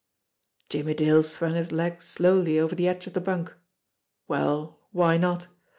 Jimmie Dale swung his leg slowly over the edge of the bunk. Well, why not?